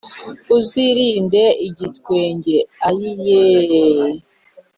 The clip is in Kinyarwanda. Uzirinde igitwenge ayiyeee